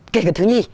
kể cả thứ hai